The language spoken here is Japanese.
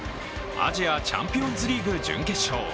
アジアチャンピオンズリーグ準決勝。